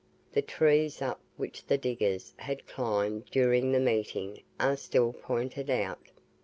The trees up which the diggers had climbed during the meeting are still pointed out.